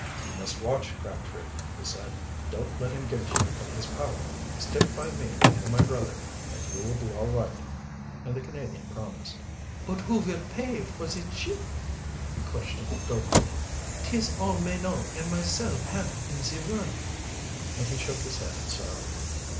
"You must watch Crabtree," he said. "Don't let him get you in his power. Stick by me and my brother, and you will be all right," and the Canadian promised. "But who vill pay for ze ship?" he questioned dolefully. "'Tis all Menot and myself haf in ze worl'!" And he shook his head in sorrow.